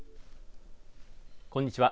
こんにちは。